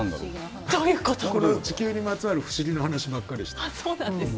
地球にまつわる不思議の話ばっかりしてる。